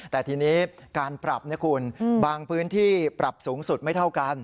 แต่ทีนี้การปรับนะคุณบางพื้นที่ปรับสูงสุดไม่เท่ากัน